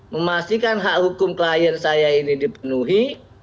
memastikan hak hukum klien saya ini dipenuhi